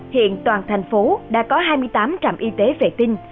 hiện toàn thành phố đã có hai mươi tám trạm y tế vệ tinh